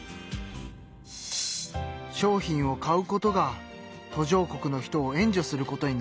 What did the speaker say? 商品を買うことが途上国の人を援助することになるんだね。